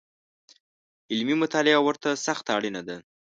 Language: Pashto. علمي مطالعه ورته سخته اړینه ده